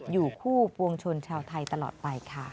อยู่คู่ปวงชนชาวไทยตลอดไปค่ะ